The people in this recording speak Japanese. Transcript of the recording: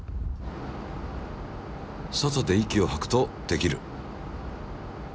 外で息をはくとできる。